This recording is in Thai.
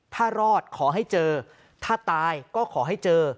ถ้ารอดขอให้เจอถ้าตายก็ขอให้เจอ